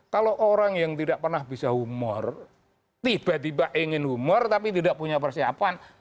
kalau orang yang tidak pernah bisa humor tiba tiba ingin humor tapi tidak punya persiapan